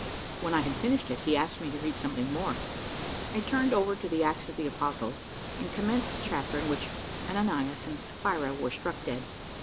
When I had finished it, he asked me to read something more; I turned over to the Acts of the Apostles, and commenced the chapter in which Ananias and Sapphira were struck dead.